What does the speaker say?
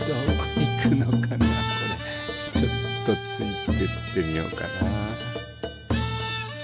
ちょっとついてってみようかな。